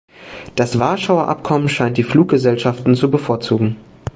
Das Warschauer Abkommen scheint die Fluggesellschaften zu bevorzugen.